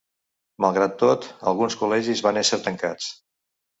Malgrat tot, alguns col·legis van ésser tancats.